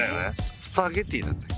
スパゲティなんだっけ？